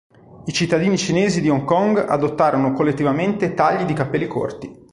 I cittadini cinesi di Hong Kong adottarono collettivamente tagli di capelli corti.